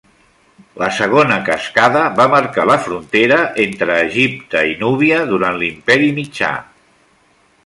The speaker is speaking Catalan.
La segona cascada va marcar la frontera entre Egipte i Núbia durant l'Imperi Mitjà.